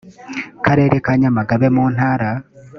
karere ka nyamagabe mu ntara